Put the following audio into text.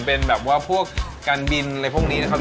เป็นแบบว่าพวกการบินอะไรพวกนี้นะครับ